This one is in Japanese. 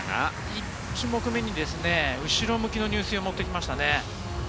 １種目に後ろ向きの入水を持ってきましたね。